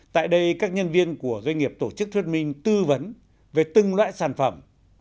tại đây các nhân viên của doanh nghiệp tổ chức thuyết minh tư vấn về từng loại sản phẩm